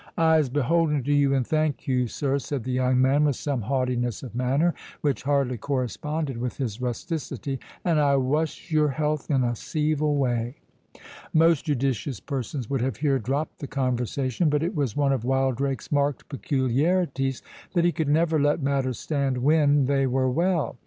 "I'se beholden to you, and thank you, sir," said the young man, with some haughtiness of manner, which hardly corresponded with his rusticity; "and I wuss your health in a ceevil way." Most judicious persons would have here dropped the conversation; but it was one of Wildrake's marked peculiarities, that he could never let matters stand when they were well.